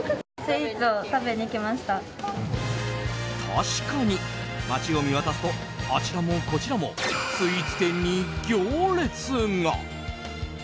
確かに街を見渡すとあちらもこちらもスイーツ店に行列が。